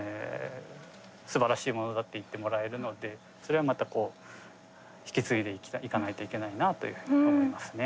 すばらしいものだって言ってもらえるのってそれはまたこう引き継いでいかないといけないなというふうに思いますね。